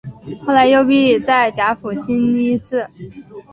后来幽闭在甲府兴因寺。